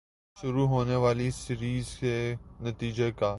شروع ہونے والی سیریز کے نتیجے کا